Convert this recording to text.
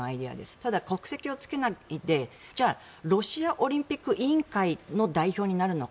ただ、国籍をつけないで、じゃあロシアオリンピック委員会の代表になるのか。